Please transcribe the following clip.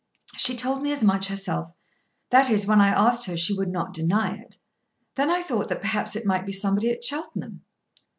"She told me as much herself. That is, when I asked her she would not deny it. Then I thought that perhaps it might be somebody at Cheltenham."